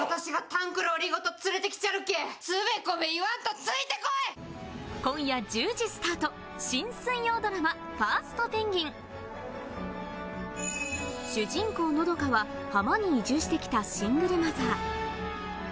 私がタンクローリーごと、今夜１０時スタート、新水曜ドラマ『ファーストペンギン！』主人公・和佳が浜に移住してきたシングルマザー。